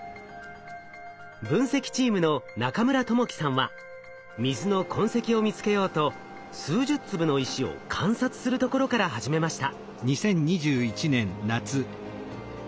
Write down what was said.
分析チームの中村智樹さんは水の痕跡を見つけようと数十粒の石を観察するところから始めました。